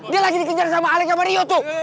dia lagi dikencang sama alec sama rio tuh